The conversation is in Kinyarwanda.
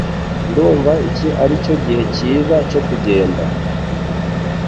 Ndumva iki aricyo gihe cyiza cyo kugenda.